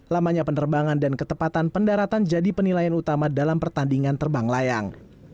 lamanya penerbangan dan ketepatan pendaratan jadi penilaian utama dalam pertandingan terbang layang